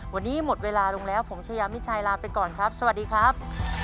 วันนี้หมดเวลาลงแล้วผมชายามิชัยลาไปก่อนครับสวัสดีครับ